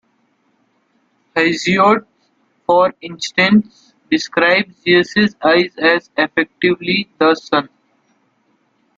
Hesiod, for instance, describes Zeus's eye as effectively the sun.